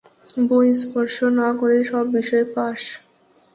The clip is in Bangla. বই স্পর্শ না করেই সব বিষয়ে পাশ?